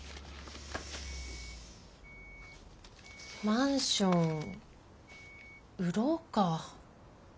マンション売ろうか。